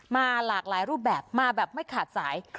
มาหลากหลายรูปแบบมาแบบไม่ขาดสาย